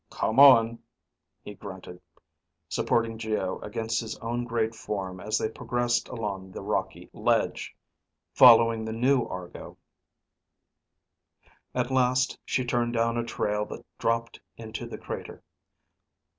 "Come on," he grunted, supporting Geo against his own great form as they progressed along the rocky ledge, following the new Argo. At last she turned down a trail that dropped into the crater.